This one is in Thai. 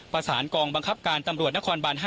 ประสานกองบังคับการตำรวจนครบาน๕